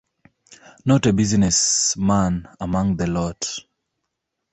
Not a business man among the lot.